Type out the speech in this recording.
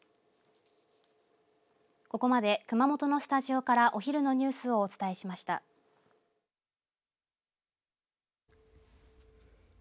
ここまで熊本のスタジオからお昼のニュースをお伝えしました。